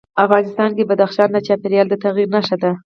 افغانستان کې بدخشان د چاپېریال د تغیر نښه ده.